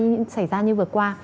như những xảy ra như vừa qua